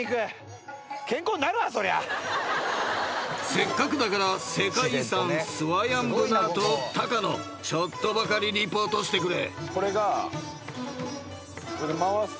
［せっかくだから世界遺産スワヤンブナートを高野ちょっとばかりリポートしてくれ］